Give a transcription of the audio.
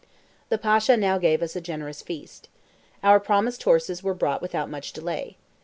The Pasha now gave us a generous feast. Our promised horses were brought without much delay.